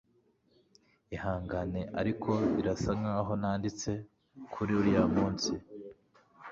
ihangane, ariko birasa nkaho nanditse kuri uriya munsi